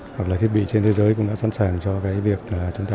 hoặc là thiết bị trên thế giới cũng đã sẵn sàng cho cái việc là chúng ta